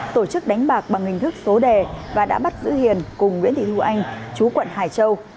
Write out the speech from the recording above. tổ chức đánh bạc bằng hình thức số đề và đã bắt giữ hiền cùng nguyễn thị thu anh chú quận hải châu